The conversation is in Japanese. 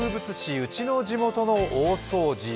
ウチの地元の大掃除